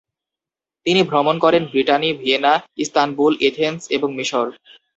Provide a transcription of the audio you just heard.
তিনি ভ্রমণ করেন ব্রিটানি, ভিয়েনা, ইস্তানবুল, এথেন্স এবং মিশর।